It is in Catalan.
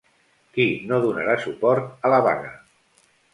Qui no donarà suport a la vaga?